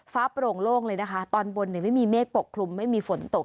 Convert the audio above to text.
โปร่งโล่งเลยนะคะตอนบนไม่มีเมฆปกคลุมไม่มีฝนตก